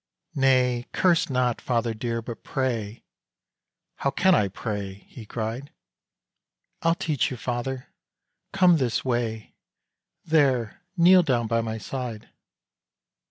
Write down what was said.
"Nay! curse not, father dear, but pray." "How can I pray," he cried. "I'll teach you, father; come this way! There kneel down by my side!"